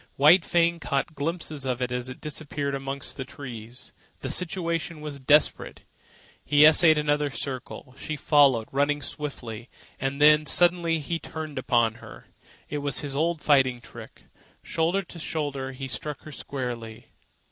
White Fang caught glimpses of it disappearing amongst the trees. The situation was desperate. He essayed another circle. She followed, running swiftly. And then, suddenly, he turned upon her. It was his old fighting trick. Shoulder to shoulder, he struck her squarely.